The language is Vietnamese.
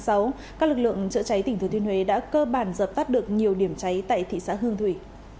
các lực lượng chữa cháy tỉnh thừa thiên huế đã cơ bản dập tắt được nhiều điểm cháy tại thị xã hương thủy